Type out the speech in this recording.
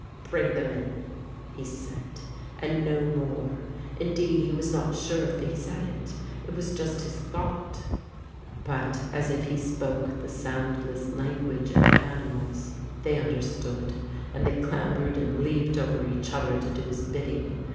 "Bring them in," he said, and no more. Indeed, he was not sure if he said it; it was just his thought. But as if he spoke the soundless language of 207 The Ape animals, they understood, and they clambered and leaped over each other to do his bidding.